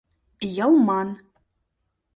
Йылман.